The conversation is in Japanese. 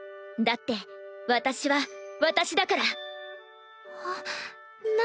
だって私は私だから。